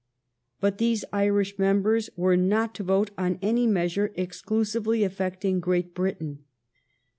But these Irish members were not to vote on any measure exclusively affecting Great Britain.